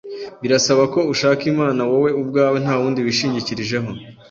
birasaba ko ushaka Imana wowe ubwawe nta wundi wishingikirijeho,